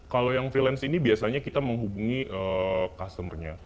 kalau yang freelance ini biasanya kita menghubungi customer nya